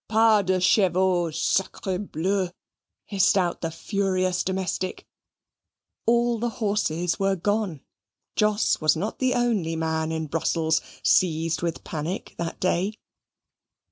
"Pas de chevaux, sacre bleu!" hissed out the furious domestic. All the horses were gone. Jos was not the only man in Brussels seized with panic that day.